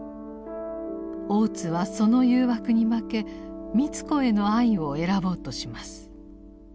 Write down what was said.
大津はその誘惑に負け美津子への愛を選ぼうとします。